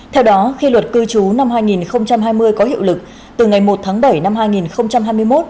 theo đó khi luật cư trú năm hai nghìn hai mươi có hiệu lực từ ngày một tháng bảy năm hai nghìn hai mươi một